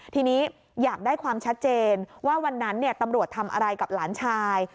ทีนี้อยากได้ความชัดเจนว่าวันนั้นตำรวจทำอะไรกับหลานชาย